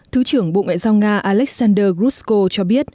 thứ trưởng bộ ngoại giao nga alexander grushko cho biết